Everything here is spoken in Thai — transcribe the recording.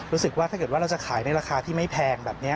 รู้สึกว่าถ้าเกิดว่าเราจะขายในราคาที่ไม่แพงแบบนี้